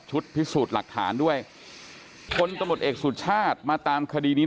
ใช่ค่ะส่วนใหญ่โมงเขาจะไม่ใช้กัน